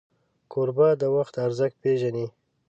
کوربه د وخت ارزښت پیژني.